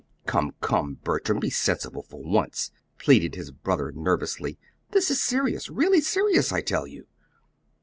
"Come, come, Bertram, be sensible for once," pleaded his brother, nervously. "This is serious, really serious, I tell you!"